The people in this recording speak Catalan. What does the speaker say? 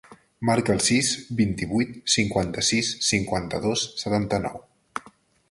Marca el sis, vint-i-vuit, cinquanta-sis, cinquanta-dos, setanta-nou.